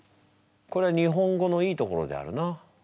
これは日本語のいいところであるな。